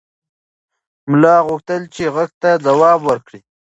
ملا غوښتل چې غږ ته ځواب ورکړي.